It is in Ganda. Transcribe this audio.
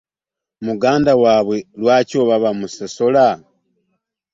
Muganda waabwe lwaki oba bamusosola?